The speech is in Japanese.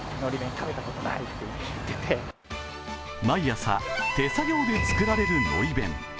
毎朝手作業で作られる海苔弁。